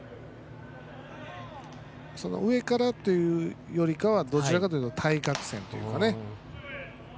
上からというよりはどちらかというと対角線というかね。